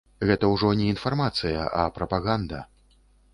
Гэта ўжо не інфармацыя, а прапаганда.